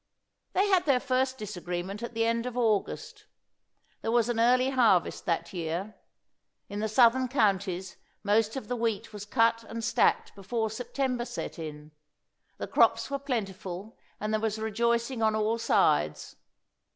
They had their first disagreement at the end of August. There was an early harvest that year. In the southern counties most of the wheat was cut and stacked before September set in. The crops were plentiful, and there was rejoicing on all sides.